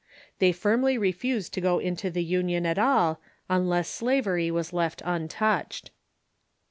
They firmly refused to go into the Union at all unless slavery was left untouched.